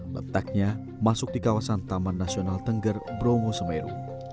letaknya masuk di kawasan taman nasional tengger bromo semeru